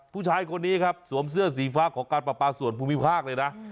ผู้ชายคนนี้ครับสวมเสื้อสีฟ้าของการประปาส่วนภูมิภาคเลยนะ